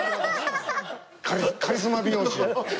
カリスマ美容師。